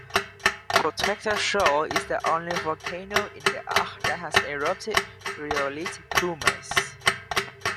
Protector Shoal is the only volcano in the arc that has erupted rhyolite pumice.